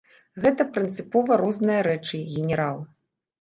Гэта прынцыпова розныя рэчы, генерал.